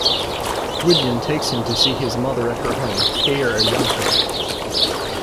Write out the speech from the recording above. Gwydion takes him to see his mother at her home, Caer Arianrhod.